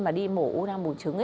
mà đi mổ u năng bồn trứng